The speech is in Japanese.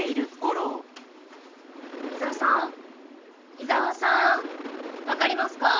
伊沢さーんわかりますか？